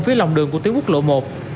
phía lòng đường của tuyến quốc lộ một